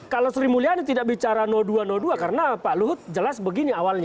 kalau sri mulyani tidak bicara dua dua karena pak luhut jelas begini awalnya